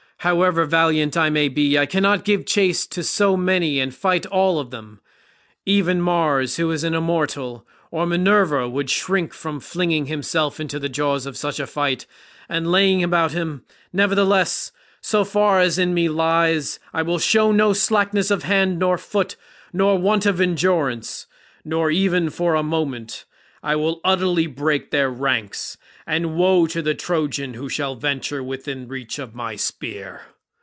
However valiant I may be, I cannot give chase to so many and fight all of them. Even Mars, who is an immortal, or Minerva, would shrink from flinging himself into the jaws of such a fight and laying about him; nevertheless, so far as in me lies I will show no slackness of hand or foot nor want of endurance, not even for a moment; I will utterly break their ranks, and woe to the Trojan who shall venture within reach of my spear."